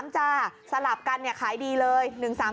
๑๓จ๊ะสลับกันขายดีเลย๑๓๓๑